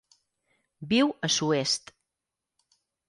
Viu a Soest.